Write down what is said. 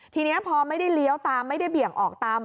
ทีนี้พอไม่ได้เลี้ยวตามไม่ได้เบี่ยงออกตาม